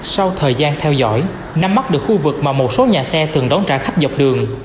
sau thời gian theo dõi nắm mắt được khu vực mà một số nhà xe thường đón trả khách dọc đường